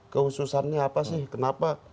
kehususannya apa sih kenapa